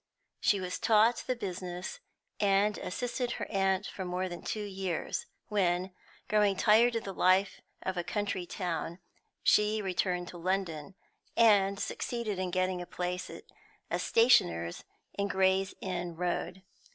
She was taught the business, and assisted her aunt for more than two years, when, growing tired of the life of a country town, she returned to London, and succeeded in getting a place at a stationer's in Gray's Inn Road.